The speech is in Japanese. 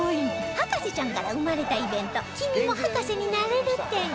『博士ちゃん』から生まれたイベント君も博士になれる展